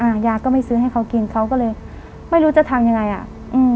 ยาก็ไม่ซื้อให้เขากินเขาก็เลยไม่รู้จะทำยังไงอ่ะอืม